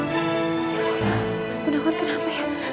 mas gunahuan kenapa ya